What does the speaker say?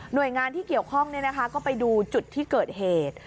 โดยงานที่เกี่ยวข้องก็ไปดูจุดที่เกิดเหตุ